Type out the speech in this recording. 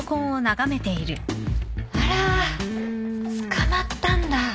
あら捕まったんだ。